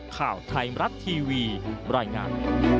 ข่าวไทยมรัฐทีวีรายงาน